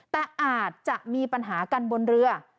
แต่อาจจะมีปัญหากันบนเรือ